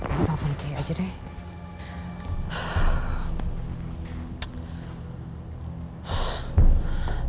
aduh aku telepon ke iya aja deh